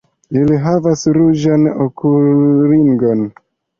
Ili havas ruĝan okulringon.